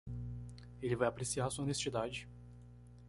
Ele vai apreciar sua honestidade.